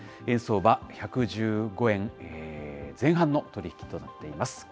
円相場１１５円前半の取り引きとなっています。